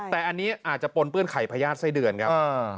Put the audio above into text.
แต่อันนี้อาจจะปนเปื้อนไข่พญาติไส้เดือนครับ